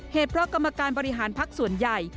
เหตุเพราะกรรมการบริหารพักส่วนใหญ่